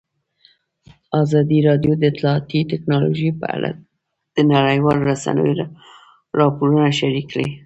ازادي راډیو د اطلاعاتی تکنالوژي په اړه د نړیوالو رسنیو راپورونه شریک کړي.